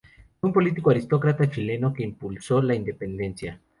Fue un político y aristócrata chileno que impulsó la independencia.